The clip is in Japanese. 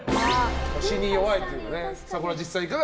押しに弱いっていうね。